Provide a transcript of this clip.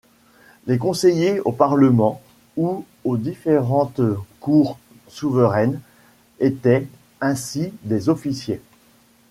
Les conseillers aux parlements ou aux différentes cours souveraines étaient ainsi des officiers.